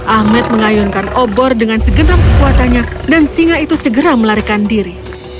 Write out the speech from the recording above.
ahmed mengayunkan obor dengan segenap kekuatannya dan singa itu segera melarikan diri